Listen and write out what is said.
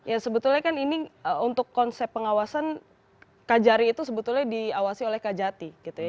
ya sebetulnya kan ini untuk konsep pengawasan kajari itu sebetulnya diawasi oleh kajati gitu ya